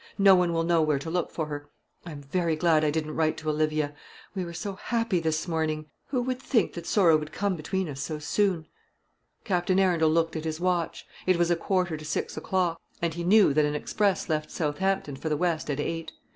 No one will know where to look for her. I'm very glad I didn't write to Olivia. We were so happy this morning! Who could think that sorrow would come between us so soon?" Captain Arundel looked at his watch. It was a quarter to six o'clock, and he knew that an express left Southampton for the west at eight.